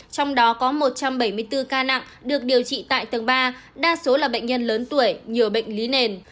trong đó có một trăm bảy mươi bốn ca nặng được điều trị tại tầng ba đa số là bệnh nhân lớn tuổi nhiều bệnh lý nền